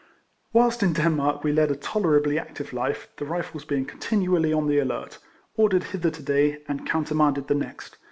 Whilst in Denmark we led a tolerably active life, the Rifles being continually on the alert — ordered hither to day, and coun termanded the next.